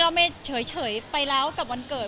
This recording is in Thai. ไม่เฉยไปแล้วกับวันเกิด